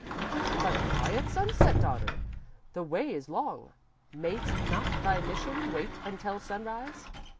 "_ _"But why at sunset, daughter? The way is long. Mayst not thy mission wait until sunrise?"